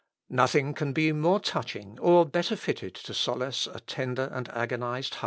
Nothing can be more touching, or better fitted to solace a tender and agonised heart.